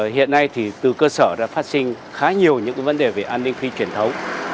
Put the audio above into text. hiện nay thì từ cơ sở ra phát sinh khá nhiều những vấn đề về an ninh phi truyền thống